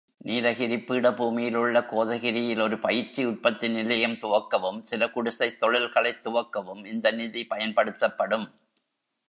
நீலகிரிப் பீடபூமியிலுள்ள கோதகிரியில் ஒருபயிற்சி உற்பத்தி நிலையம் துவக்கவும், சில குடிசைத் தொழில்களைத் துவக்கவும் இந்த நிதி பயன்படுத்தப்படும்.